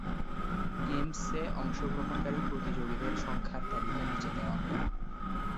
গেমসে অংশগ্রহণকারী প্রতিযোগীদের সংখ্যার তালিকা নিচে দেওয়া হল।